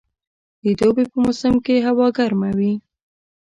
د دوبي په موسم کښي هوا ګرمه وي.